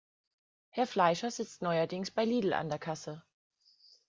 Herr Fleischer sitzt neuerdings bei Lidl an der Kasse.